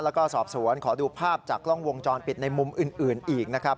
แล้วก็สอบสวนขอดูภาพจากกล้องวงจรปิดในมุมอื่นอีกนะครับ